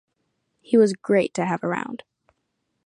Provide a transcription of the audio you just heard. He was great to have around.